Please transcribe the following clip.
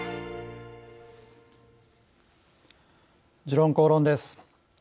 「時論公論」です。